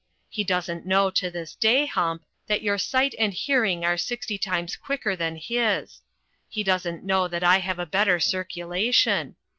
He doesn't know to this day. Hump, that your sight and hearing are sixty times quicker than his. He doesn't know that I have a better circulation.